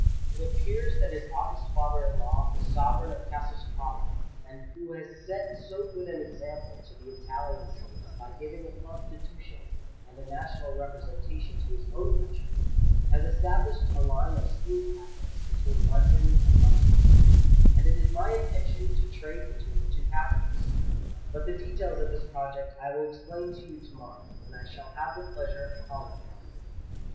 It appears that his august father in law, the sovereign of Castelcicala,—and who has set so good an example to the Italian States by giving a Constitution and a national representation to his own country,—has established a line of steam packets between London and Montoni; and it is my intention to trade between the two capitals. But the details of this project I will explain to you to morrow, when I shall have the pleasure of calling upon you.